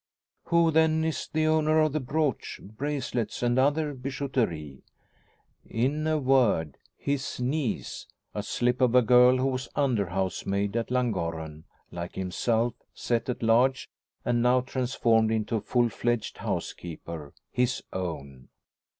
Who, then, is the owner of the brooch, bracelets, and other bijouterie? In a word, his niece a slip of a girl who was under housemaid at Llangorren; like himself, set at large, and now transformed into a full fledged housekeeper his own.